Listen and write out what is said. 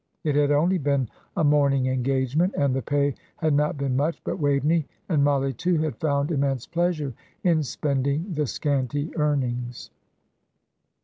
It had only been a morning engagement, and the pay had not been much, but Waveney, and Mollie too, had found immense pleasure in spending the scanty earnings.